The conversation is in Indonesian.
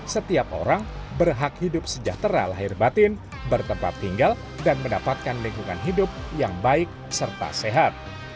setiap orang berhak hidup sejahtera lahir batin bertempat tinggal dan mendapatkan lingkungan hidup yang baik serta sehat